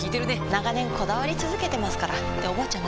長年こだわり続けてますからっておばあちゃん